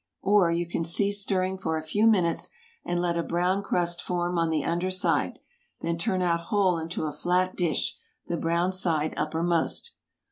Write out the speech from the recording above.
Or, you can cease stirring for a few minutes, and let a brown crust form on the under side; then turn out whole into a flat dish, the brown side uppermost.